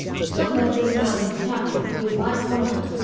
So led this Knight his captyve with like conqueft wonne.